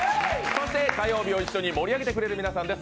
そして火曜日を一緒に盛り上げてくれる皆さんです